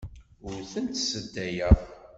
Ur tent-sseddayeɣ.